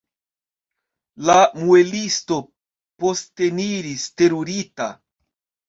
La muelisto posteniris terurita.